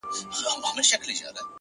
ثابت قدمي منزل ته رسوي،